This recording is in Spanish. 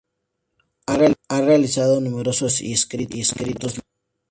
Ha realizado numerosos inventos y escritos libros.